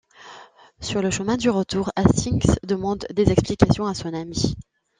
Sur le chemin du retour, Hastings demande des explications à son ami.